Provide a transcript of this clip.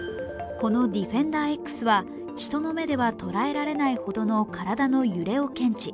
このＤＥＦＥＮＤＥＲ−Ｘは人の目では捉えられないほどの体の揺れを検知。